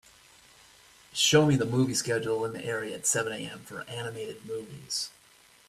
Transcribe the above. show me the movie schedule in the area at seven AM for animated movies